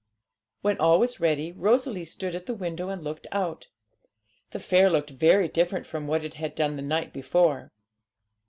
When all was ready, Rosalie stood at the window and looked out. The fair looked very different from what it had done the night before.